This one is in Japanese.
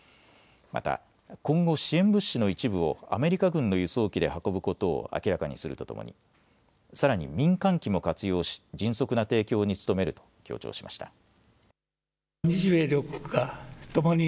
また今後、支援物資の一部をアメリカ軍の輸送機で運ぶことを明らかにするとともにさらに民間機も活用し迅速な提供に努めると強調しました。